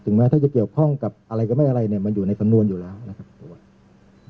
แม้ถ้าจะเกี่ยวข้องกับอะไรก็ไม่อะไรเนี่ยมันอยู่ในสำนวนอยู่แล้วนะครับ